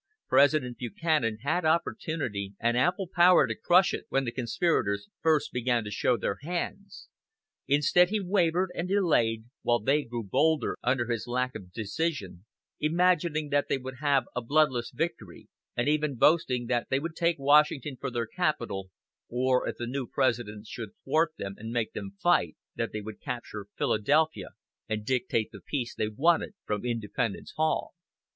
President Buchanan had opportunity and ample power to crush it when the conspirators first began to show their hands. Instead he wavered, and delayed, while they grew bold under his lack of decision, imagining that they would have a bloodless victory, and even boasting that they would take Washington for their capital; or, if the new President should thwart them and make them fight, that they would capture Philadelphia and dictate the peace they wanted from Independence Hall.